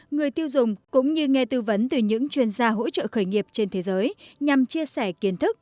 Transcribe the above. người tiêu dùng cũng như nghe tư vấn từ những chuyên gia hỗ trợ khởi nghiệp trên thế giới nhằm chia sẻ kiến thức